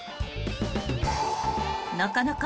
［なかなか］